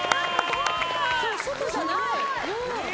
今日、外じゃない！